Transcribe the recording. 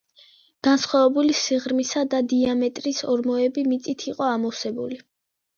განსხვავებული სიღრმისა და დიამეტრის ორმოები მიწით იყო ამოვსებული.